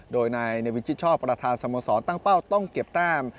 โดยในวิทยาชอบประธานสโมสรตั้งเป้าต้องเก็บต้าม